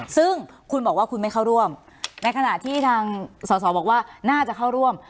ซึ่งคุณบอกว่าคุณไม่เข้าร่วมในขณะที่ทางสอสอบอกว่าน่าจะเข้าร่วม